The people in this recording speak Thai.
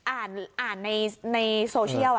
อ่านในโซเชียล